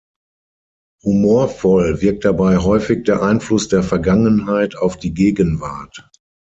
Humorvoll wirkt dabei häufig der Einfluss der Vergangenheit auf die Gegenwart.